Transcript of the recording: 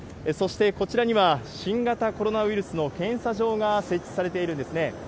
そしてこちらには、新型コロナウイルスの検査場が設置されているんですね。